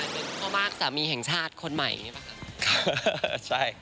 เป็นพ่อมากสามีแห่งชาติคนใหม่ใช่ปะครับ